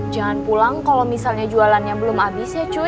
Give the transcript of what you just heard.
jangan pulang kalau misalnya jualannya belum habis ya